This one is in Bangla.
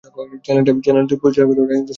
চ্যানেলটির পরিচালক রাজেন্দ্র শাক্য।